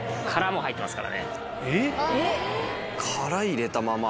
殻入れたまま。